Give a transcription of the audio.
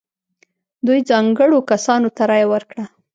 دوی ځانګړو کسانو ته رایه ورکړه.